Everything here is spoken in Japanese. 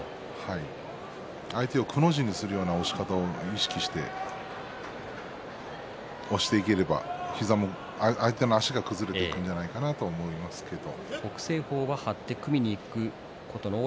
相手を、くの字にするような押し方を意識して押していければ相手の足が崩れていくんじゃないかなと思いますけど。